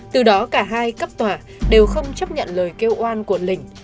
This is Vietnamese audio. từ đó cả hai cấp tòa đều không chấp nhận lời kêu oan của linh